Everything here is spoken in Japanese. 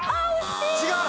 違う？